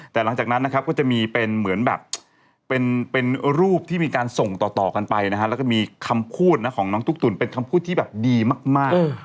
แต่หลังจากนั้นนะครับก็จะมีเป็นเหมือนแบบเป็นรูปที่มีการส่งต่อกันไปนะฮะแล้วก็มีคำพูดนะของน้องตุ๊กตุ๋นเป็นคำพูดที่แบบดีมาก